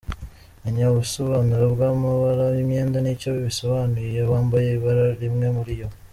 Menya ubusobanuro bw’amabara y’imyenda nicyo bisobanuye iyo wambaye ibara rimwe muriyo.